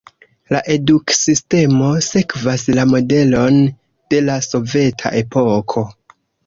La eduksistemo sekvas la modelon de la soveta epoko.